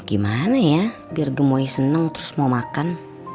gimana ya biar gemoy seneng terus mau makan